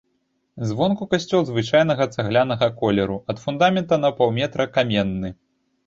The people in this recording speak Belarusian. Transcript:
Звонку касцёл звычайнага цаглянага колеру, ад фундамента на паўметра каменны.